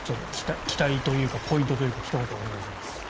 期待というかポイントというかひと言、お願いします。